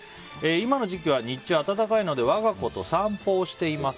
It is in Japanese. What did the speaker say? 今の時期は日中、暖かいので我が子と散歩をしています。